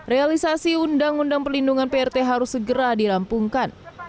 realisasi undang undang pelindungan prt harus segera dirampungkan